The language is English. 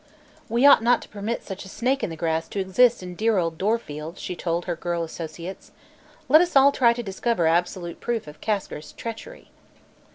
"We ought not to permit such a snake in the grass to exist in dear old Dorfield," she told her girl associates. "Let us all try to discover absolute proof of Kasker's treachery."